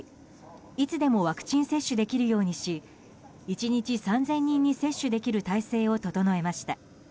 いつでもワクチン接種できるようにし１日３０００人に接種できる体制を整えました。